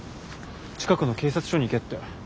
近くの警察署に行けって。